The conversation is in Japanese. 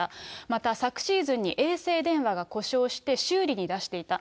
また昨シーズンに衛星電話が故障して、修理に出していた。